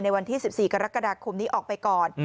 วันที่๑๔กรกฎาคมนี้ออกไปก่อน